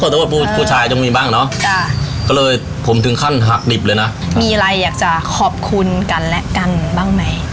โทษผู้ชายต้องมีบ้างเนอะจ้ะก็เลยผมถึงขั้นหักดิบเลยนะมีอะไรอยากจะขอบคุณกันและกันบ้างไหม